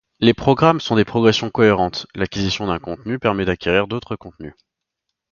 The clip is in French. Les programmes sont des progressions cohérentes, l’acquisition d’un contenu permet d’acquérir d’autres contenus.